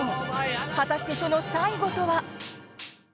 果たして、その最後とは？